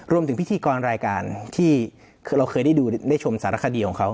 พิธีกรรายการที่คือเราเคยได้ดูได้ชมสารคดีของเขา